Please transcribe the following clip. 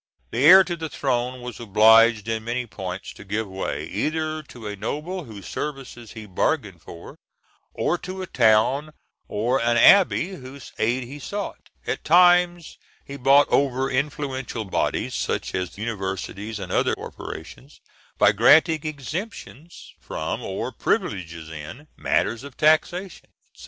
The heir to the throne was obliged in many points to give way, either to a noble whose services he bargained for, or to a town or an abbey whose aid he sought. At times he bought over influential bodies, such as universities and other corporation, by granting exemptions from, or privileges in, matters of taxation, &c.